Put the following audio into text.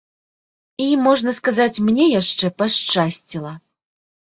І, можна сказаць, мне яшчэ пашчасціла.